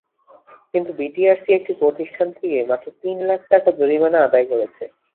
কিন্তু বিটিআরসি একটি প্রতিষ্ঠান থেকে মাত্র তিন লাখ টাকা জরিমানা আদায় করেছে।